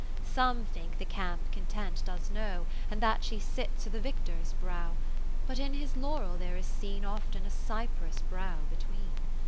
30 VI Some think the camp Content does know, And that she sits o' th' victor's brow : But in his laurel there is seen Often a cypress brow ^ between.